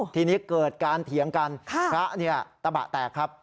ทีนี้เกิดการเถียงกันพระเนี่ยตะบะแตกครับ